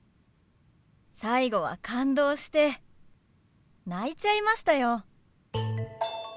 最後は感動して泣いちゃいましたよ。